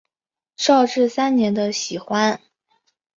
绍治三年的喜欢。